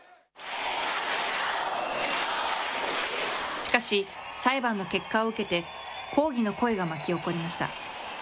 しかし、裁判の結果を受けて、抗議の声が巻き起こりました。